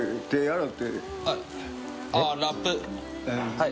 はい。